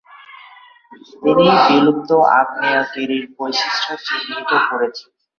তিনি বিলুপ্ত আগ্নেয়গিরির বৈশিষ্ট্য চিহ্নিত করেছেন।